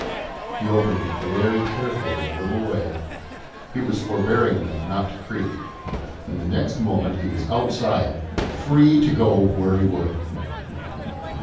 He opened it very carefully a little way; it was forbearing enough not to creak, and the next moment he was outside, free to go where he would!